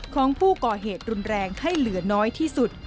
ของผู้ก่อเหตุรุนแรงให้เหลือน้อยที่สุด